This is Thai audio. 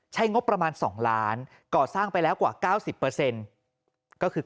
งบประมาณ๒ล้านก่อสร้างไปแล้วกว่า๙๐ก็คือ